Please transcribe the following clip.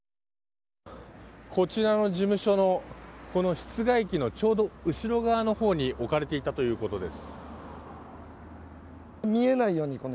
こちらの事務所の室外機のちょうど後ろ側のほうに置かれていたということです。